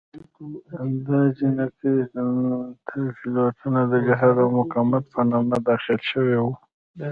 دا جنګي تابلیتونه د جهاد او مقاومت په نامه داخل شوي وو.